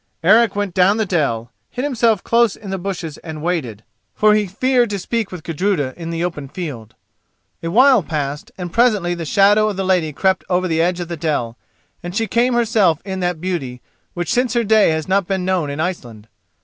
Eric went down the dell, hid himself close in the bushes and waited, for he feared to speak with Gudruda in the open field. A while passed, and presently the shadow of the lady crept over the edge of the dell, then she came herself in that beauty which since her day has not been known in Iceland.